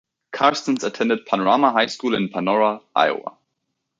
Carstens attended Panorama High School in Panora, Iowa.